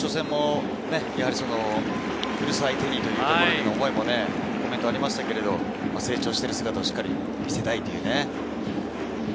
初戦も古巣相手にというところでの思いもコメントにありましたけど、成長してる姿をしっかり見せたいという。